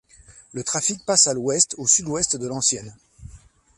Le trafic passe à l'ouest, au sud-ouest de l'ancienne.